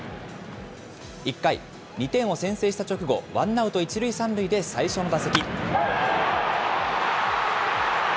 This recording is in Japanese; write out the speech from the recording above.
１回、２点を先制した直後、ワンアウト１塁３塁で最初の打席。